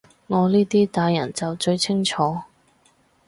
我呢啲大人就最清楚